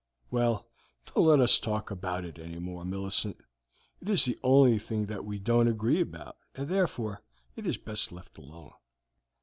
Well, don't let us talk about it any more, Millicent. It is the only thing that we don't agree about, and therefore it is best left alone."